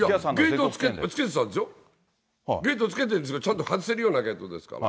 ゲートつけてたんでしょ、ゲートつけてるんです、ちゃんと外せるようなゲートですから。